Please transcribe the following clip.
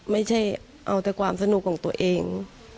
ไม่ใช่เอาแต่ความสนุกของตัวเอง